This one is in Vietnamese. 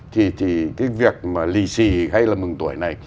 thì cái việc mà lý sĩ hay là mừng tuổi này